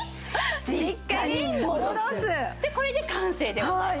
これで完成でございます。